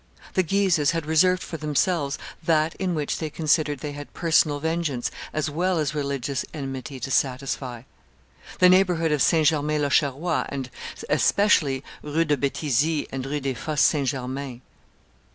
The Guises had reserved for themselves that in which they considered they had personal vengeance as well as religious enmity to satisfy, the neighborhood of St. Germain l'Auxerrois, and especially Rue de Bethisy and Rue des Fosses St. Germain.